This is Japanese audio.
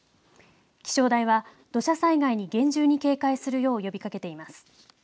気象台は土砂災害に厳重に警戒するよう呼びかけています。